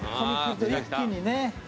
一気にね。